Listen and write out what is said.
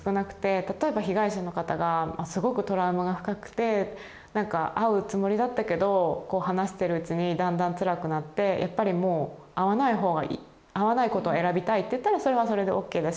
例えば被害者の方がすごくトラウマが深くてなんか会うつもりだったけど話してるうちにだんだんつらくなってやっぱりもう会わないほうがいい会わないことを選びたいって言ったらそれはそれでオッケーだし。